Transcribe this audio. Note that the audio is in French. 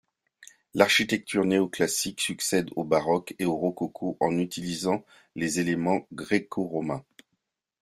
L'architecture néo-classique succède au baroque et au rococo en utilisant les éléments gréco-romains.